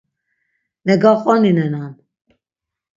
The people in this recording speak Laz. Megaqoninenan.